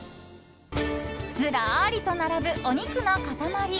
ずらりと並ぶ、お肉の塊。